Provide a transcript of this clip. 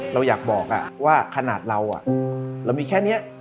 เราอยากบอกว่าขนาดเราเรามีแค่นี้